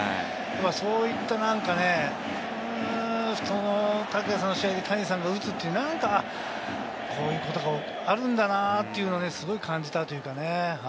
そういった何かね、拓也さんの試合で、谷さんが打つって何かこういうことがあるんだなと、すごい感じたというか。